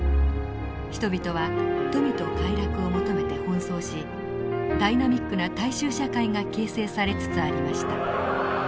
人々は富と快楽を求めて奔走しダイナミックな大衆社会が形成されつつありました。